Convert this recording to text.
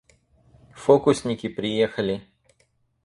Фокусники приехали!